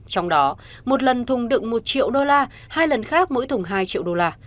trong đó một lần thùng đựng một triệu đô la hai lần khác mỗi thùng hai triệu đô la